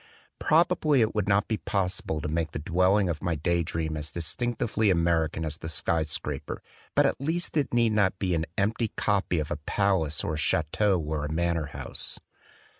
Probably it would not be possible to make the dwelling of my day dream as distinctively American as the 57 THE DWELLING OF A DAY DREAM sky scraper; but at least it need not be an empty copy of a palace or a chateau or a manor house.